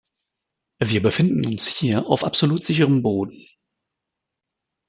Wir befinden uns hier auf absolut sicherem Boden.